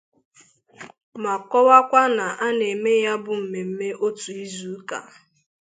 ma kọwakwa na a na-eme ya bụ mmemme otu izuụka